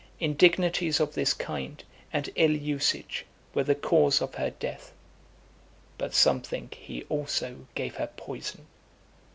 Indignities of this kind, and ill usage, were the cause of her death; but some think he also gave her poison.